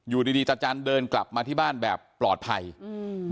อยู่ดีดีตาจันเดินกลับมาที่บ้านแบบปลอดภัยอืม